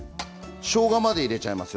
しょうがまで入れちゃいますよ。